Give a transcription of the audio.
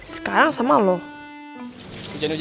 sekarang saya sendiri aja